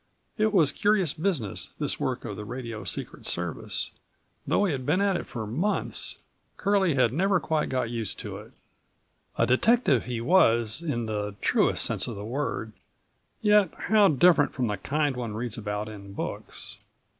It was curious business, this work of the radio secret service. Though he had been at it for months, Curlie had never quite got used to it. A detective he was in the truest sense of the word, yet how different from the kind one reads about in books.